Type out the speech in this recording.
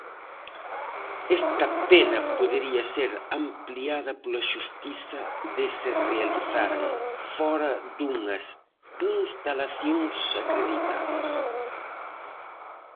Esta pena podería ser ampliada pola xustiza de se realizaren fóra dunhas instalacións "acreditadas".